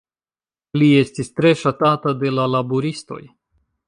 Li estis tre ŝatata de la laboristoj.